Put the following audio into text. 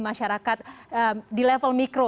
masyarakat di level mikro